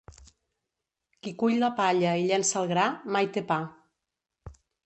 Qui cull la palla i llença el gra mai té pa.